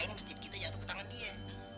lainnya zidhar kita jatuh ke tangan dia